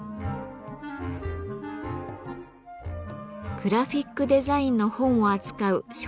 グラフィックデザインの本を扱う書店。